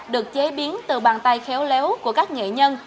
được chế biến từ bàn tay khéo léo của các nghệ nhân